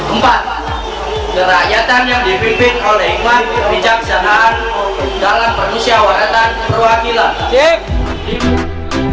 empat kerakyatan yang dipimpin oleh iklan kebijaksanaan dalam penyusia waratan perwakilan